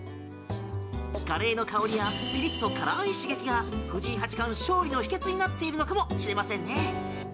カレーの香りやピリッと辛い刺激が藤井八冠の勝利の秘けつになっているのかもしれませんね。